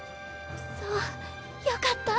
そうよかった。